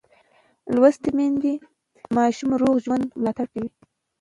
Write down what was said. لوستې میندې د ماشوم روغ ژوند ملاتړ کوي.